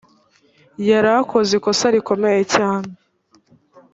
yari akoze ikosa rikomeye cyane